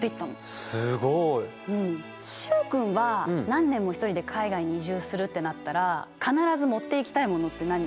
すごい！習君は何年も一人で海外に移住するってなったら必ず持っていきたいものって何？